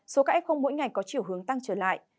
số các f mỗi ngày có chiều hướng tăng trở lại